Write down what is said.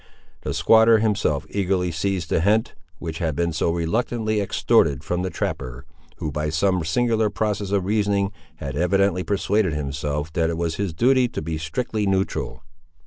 The squatter himself eagerly seized the hint which had been so reluctantly extorted from the trapper, who by some singular process of reasoning had evidently persuaded himself that it was his duty to be strictly neutral.